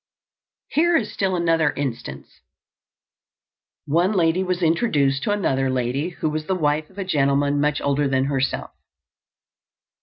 Here is still another instance: One lady was introduced to another lady who was the wife of a gentleman much older than herself.